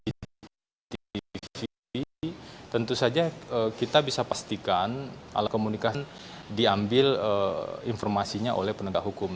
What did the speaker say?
ketika ada rekaman tersebut tentu saja kita bisa pastikan alat komunikasi diambil informasinya oleh penegak hukum